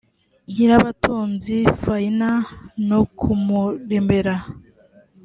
nyirabatunzi faina no kumuremera